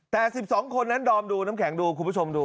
แต่๑๒คนนั้นดอมดูน้ำแข็งดูคุณผู้ชมดู